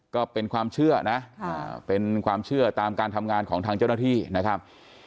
ก็เป็นความเชื่อนะเป็นความเชื่อตามการทำงานของทางเจ้าหน้าที่นะครับ